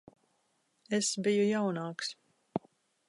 Es biju jaunāks.